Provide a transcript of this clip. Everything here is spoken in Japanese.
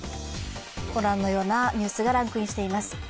ご覧のようなニュースがランクインしています。